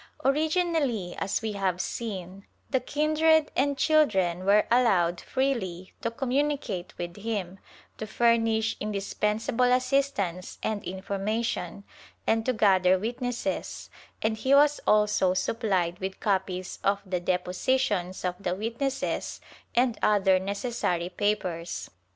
Origi nally, as we have seen, the kindred and children were allowed freely to communicate with him, to furnish indispensable assist ance and information, and to gather witnesses, and he was also supplied with copies of the depositions of the witnesses and other necessary papers.